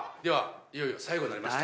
いよいよ最後になりました。